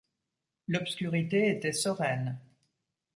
L’obscurité était sereine.